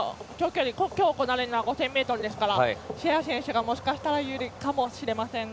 今日行われるのは５０００ｍですからシェア選手がもしかしたら有利かもしれませんね。